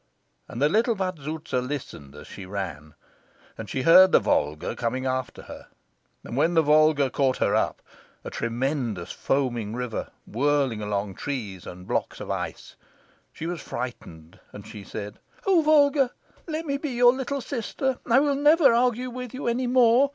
And the little Vazouza listened as she ran, and she heard the Volga coming after her; and when the Volga caught her up a tremendous foaming river, whirling along trees and blocks of ice she was frightened, and she said, "O Volga, let me be your little sister. I will never argue with you any more.